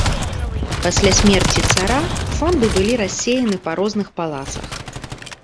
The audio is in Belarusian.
Пасля смерці цара фонды былі рассеяны па розных палацах.